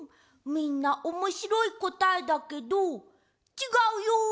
みんなおもしろいこたえだけどちがうよ。